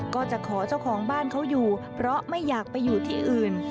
ก็จะขอเจ้าของบ้านเขาอยู่เพราะไม่อยากไปอยู่ที่อื่น